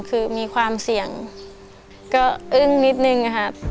คือมีความเสี่ยงก็อึ้งนิดนึงครับ